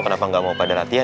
kenapa gak mau pada latihan